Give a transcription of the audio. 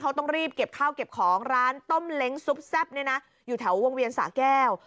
เขาต้องรีบเก็บข้าวเก็บของร้านต้มเล้งซุปแซ่บเนี่ยนะอยู่แถววงเวียนสะแก้ว